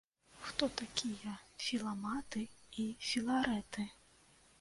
Хто такія філаматы і філарэты?